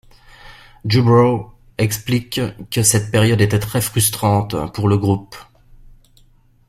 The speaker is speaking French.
DuBrow explique que cette période était très frustrante pour le groupe.